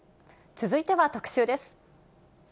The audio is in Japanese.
続いては特集です。